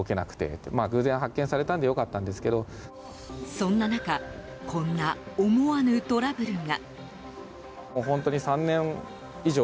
そんな中こんな思わぬトラブルが。